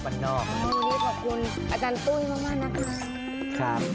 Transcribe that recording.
พี่พุมรี่ขอบคุณอาจารย์ตู้ยมากนะครับ